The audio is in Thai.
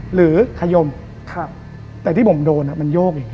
หรือขยมแต่ที่ผมโดนมันโยกอีก